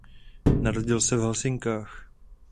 Narodil se v Helsinkách.